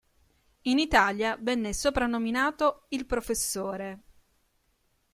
In Italia venne soprannominato "Il Professore".